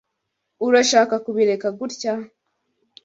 Urashaka kubireka gutya?